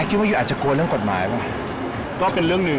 คิดว่าอยู่อาจจะกลัวเรื่องกฎหมายหรือเปล่า